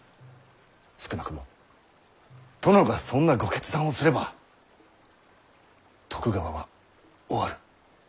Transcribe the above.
少なくも殿がそんなご決断をすれば徳川は終わる。